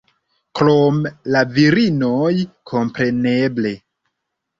Krom la virinoj, kompreneble